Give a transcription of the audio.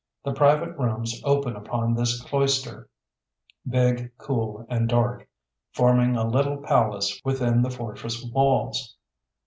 The private rooms open upon this cloister, big, cool, and dark, forming a little palace within the fortress walls.